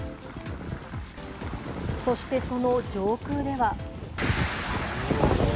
そして、その上空では。